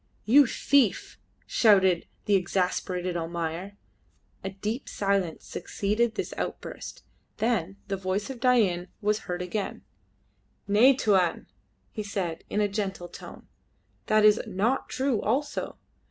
"You thief!" shouted the exasperated Almayer. A deep silence succeeded this outburst, then the voice of Dain was heard again. "Nay, Tuan," he said in a gentle tone, "that is not true also.